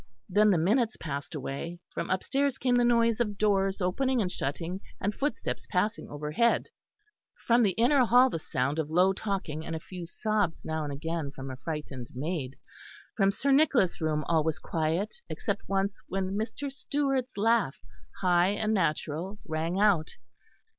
Then the minutes passed away; from upstairs came the noise of doors opening and shutting, and footsteps passing overhead; from the inner hall the sound of low talking, and a few sobs now and again from a frightened maid; from Sir Nicholas' room all was quiet except once when Mr. Stewart's laugh, high and natural, rang out.